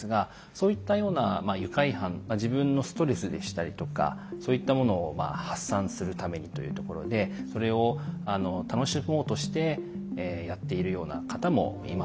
そういったようなまあ愉快犯自分のストレスでしたりとかそういったものをまあ発散するためにというところでそれをあの楽しもうとしてやっているような方もいます。